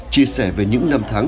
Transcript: chia sẻ về những năm tháng